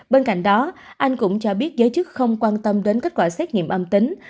bên cạnh đó anh cũng cho biết giới chức không quan tâm đến kết quả xét nghiệm âm tính